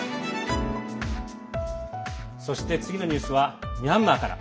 そして、次のニュースはミャンマーから。